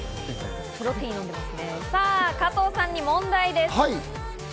さぁ、加藤さんに問題です。